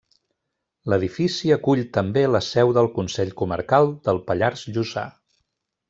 L’edifici acull també la seu del Consell Comarcal del Pallars Jussà.